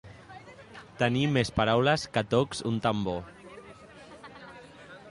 Tenir més paraules que tocs un tambor.